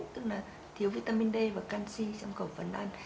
tức là thiếu vitamin d và canxi trong khẩu phần ăn